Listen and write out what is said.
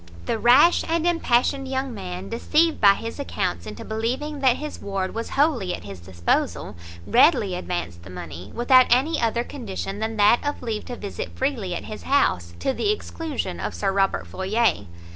The rash and impassioned young man, deceived by his accounts into believing that his ward was wholly at his disposal, readily advanced the money, without any other condition than that of leave to visit freely at his house, to the exclusion of Sir Robert Floyer.